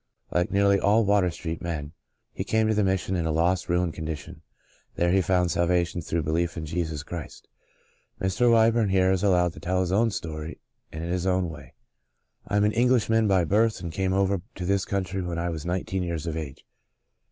Like nearly all Water Street men, he came to the Mission in a lost, ruined condition. There he found salvation through belief in Jesus Christ. Mr. Wyburn here is allowed to tell his own story and in his own w^ay :" I am an Englishman by birth and came over to this country when I was nineteen years of age.